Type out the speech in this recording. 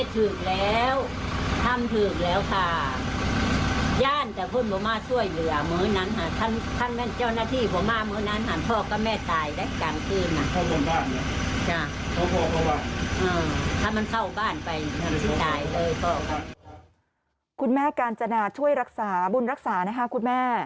คุณแม่กาญจนาช่วยรักษาบุญรักษานะคะคุณแม่